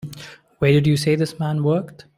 Where did you say this man worked?